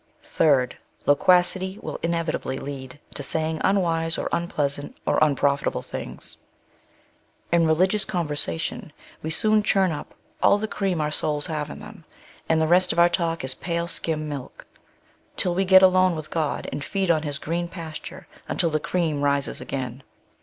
Third, loquacity will inevitably lead to saying un wise, or unpleasant, or unprofitable things. In relig ious conversation, we soon churn up all the cream our souls have in them, and the rest of our talk is pale skim milk, till we get alone with God and feed on His green pasture until the cream rises again.